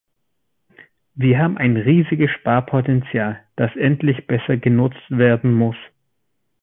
Wir haben ein riesiges Sparpotenzial, das endlich besser genutzt werden muss.